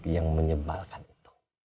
yang menyebalkan itu